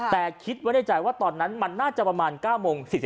แต่คิดไว้ในใจว่าตอนนั้นมันน่าจะประมาณ๙โมง๔๐